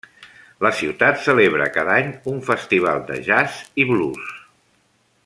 La ciutat celebra cada any un festival de jazz i blues.